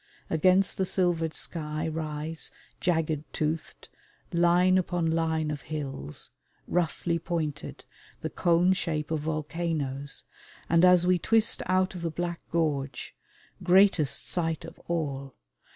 Against the silvered sky rise, jagged toothed, line upon line of hills, roughly pointed, the cone shape of volcanoes, and as we twist out of the black gorge greatest sight of all!